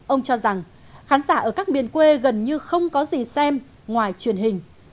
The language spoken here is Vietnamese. ông cho rằng khán giả ở các miền quê gần như không có gì xem ngoài truyền hình